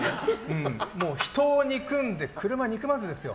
人を憎んで車、憎まずですよ。